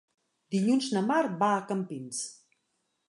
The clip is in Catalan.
Dilluns na Mar va a Campins.